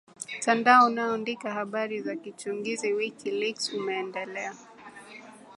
tandao unaoandika habari za kichunguzi wiki leaks umeendelea